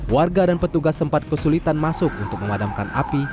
warga dan petugas sempat kesulitan masuk untuk memadamkan api